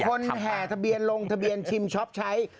แห่ทะเบียนลงทะเบียนชิมช็อปใช้